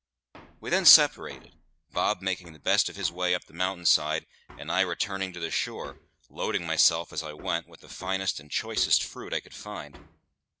We then separated, Bob making the best of his way up the mountain side, and I returning to the shore, loading myself, as I went, with the finest and choicest fruit I could find.